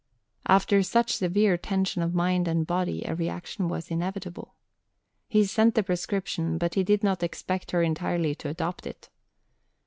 After such severe tension of mind and body, a reaction was inevitable. He sent the prescription, but he did not expect her entirely to adopt it.